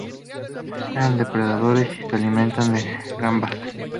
Eran depredadores y se alimentaba de gambas.